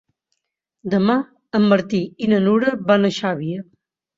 Demà en Martí i na Nura van a Xàbia.